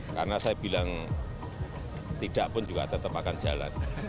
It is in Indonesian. karena saya bilang tidak pun juga tetap akan jalan